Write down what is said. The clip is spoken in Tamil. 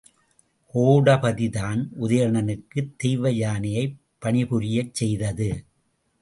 கோடபதிதான் உதயணனுக்குத் தெய்வ யானையைப் பணிபுரியச் செய்தது.